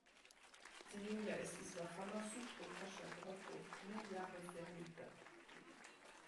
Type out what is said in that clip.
Tio ja estis la fama sutro-kaŝa groto mil-jare fermita.